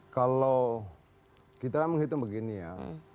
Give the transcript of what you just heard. kalau kita menghitung begini ya